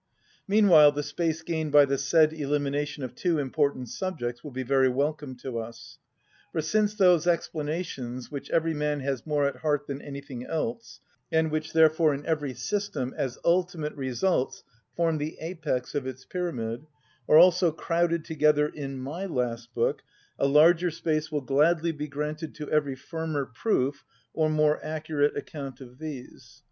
Meanwhile the space gained by the said elimination of two important subjects will be very welcome to us. For since those explanations, which every man has more at heart than anything else, and which therefore in every system, as ultimate results, form the apex of its pyramid, are also crowded together in my last book, a larger space will gladly be granted to every firmer proof or more accurate account of these.